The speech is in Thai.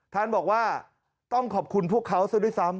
ท่านบอกว่าต้องขอบคุณพวกเขาซะด้วยซ้ำ